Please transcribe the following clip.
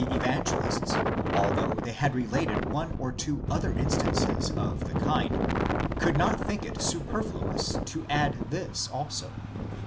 ὃ 100, Evangelists, although they had related one or two other instances of the kind, could not think it superfluous to add this also.